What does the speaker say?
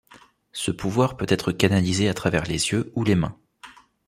Ce pouvoir peut être canalisé à travers les yeux ou les mains.